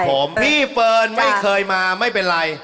ผมพี่เฟิร์นไม่เคยมาไม่เป็นไร